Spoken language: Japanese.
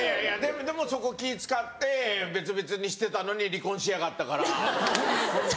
でもそこ気ぃ使って別々にしてたのに離婚しやがったからホントに。